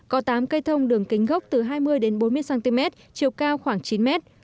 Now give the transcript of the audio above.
có tám cây thông đường kính gốc từ hai mươi bốn mươi cm chiều cao khoảng chín m